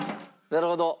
なるほど。